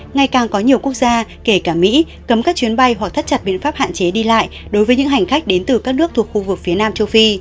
ngày càng có nhiều quốc gia kể cả mỹ cấm các chuyến bay hoặc thắt chặt biện pháp hạn chế đi lại đối với những hành khách đến từ các nước thuộc khu vực phía nam châu phi